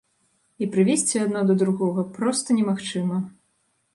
І прывесці адно да другога проста немагчыма.